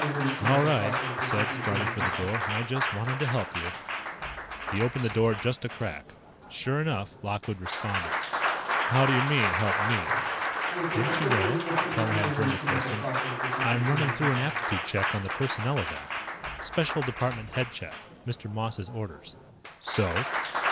"All right," he said, starting for the door. "I just wanted to help you." He opened the door just a crack. Sure enough, Lockwood responded. "How do you mean, help me?" "Didn't you know?" Colihan turned to face him. "I'm running through an aptitude check on the Personnelovac. Special department head check. Mr. Moss's orders." "So?"